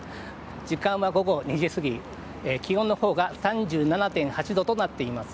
時間は午後２時過ぎ気温のほうが３７．８度となっています。